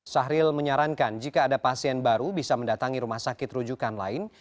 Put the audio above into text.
sahril menyarankan jika ada pasien baru bisa mendatangi rumah sakit rujukan lain